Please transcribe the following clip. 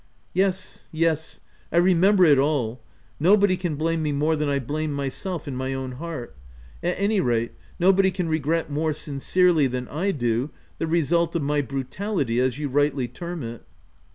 " Yes, yes, I remember it all : nobody can blame me more than I blame myself in my own heart— at any rate, nobody can regret more sin cerely than I do the result of my brutality as you rightly term it."